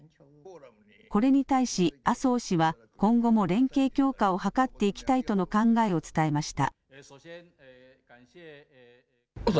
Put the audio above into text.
これに対し麻生氏は今後も連携強化を図っていきたいとの考えを伝えました。